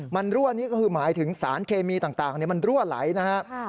มันรั่วนี่ก็คือหมายถึงสารเคมีต่างมันรั่วไหลนะครับ